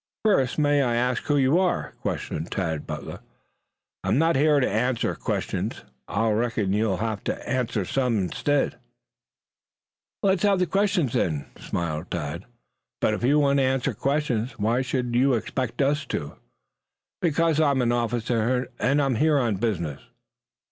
"First, may I ask who you are?" questioned Tad Butler. "I'm not here to answer questions. I reckon you'll have to answer some instead." "Let's have the questions, then," smiled Tad. "But if you won't answer questions why should you expect it of us?" "Because I'm an officer, and I'm here on business."